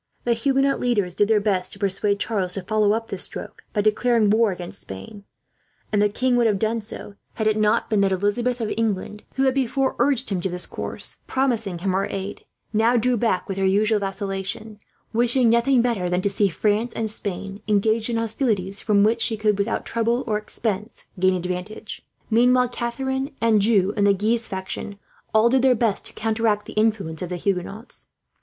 The Huguenot leaders did their best to persuade Charles to follow up this stroke by declaring war against Spain; and the king would have done so, had it not been that Elizabeth of England, who had before urged him to this course, promising him her aid, now drew back with her usual vacillation; wishing nothing better than to see France and Spain engaged in hostilities from which she would, without trouble or expense, gain advantage. Meanwhile Catharine, Anjou and the Guise faction all did their best to counteract the influence of the Huguenots.